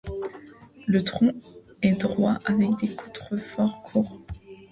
Le tronc est droit avec des contreforts courts.